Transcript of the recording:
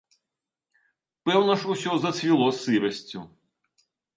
Пэўна ж усё зацвіло сырасцю.